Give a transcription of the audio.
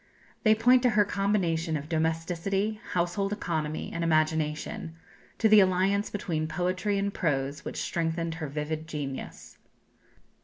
They point to her combination of domesticity, household economy, and imagination; to the alliance between poetry and prose which strengthened her vivid genius.